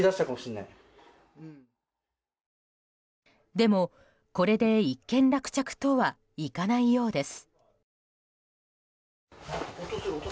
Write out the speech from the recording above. でも、これで一件落着とはいかないようです。